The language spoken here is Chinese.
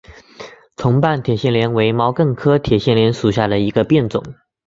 重瓣铁线莲为毛茛科铁线莲属下的一个变种。